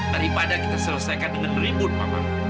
daripada kita selesaikan dengan ribut mama